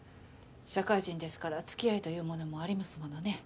社会人ですから付き合いというものもありますものね。